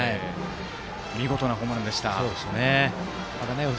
見事なホームランでしたね。